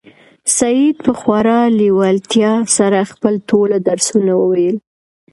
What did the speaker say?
سعید په خورا لېوالتیا سره خپل ټول درسونه وویل.